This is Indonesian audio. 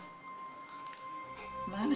pak pak pak